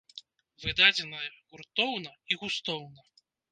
Выдадзеная грунтоўна і густоўна.